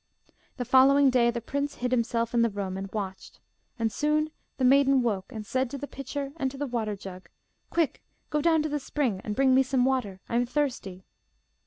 The following day the prince hid himself in the room and watched. And soon the maiden woke, and said to the pitcher and to the water jug, 'Quick! go down to the spring and bring me some water; I am thirsty.